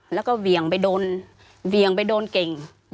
แล้วก็เหวี่ยงไปโดนเบี่ยงไปโดนเก่ง